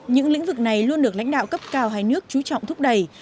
những lĩnh vực này luôn được lãnh đạo cấp cao hai nước chú trọng thúc đẩy